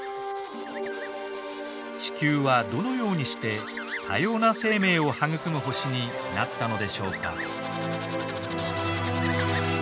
地球はどのようにして多様な生命を育む星になったのでしょうか？